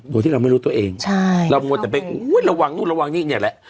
โดยที่เราไม่รู้ตัวเองใช่เรามัวแต่ไปอุ้ยระวังนู่นระวังนี่เนี่ยแหละ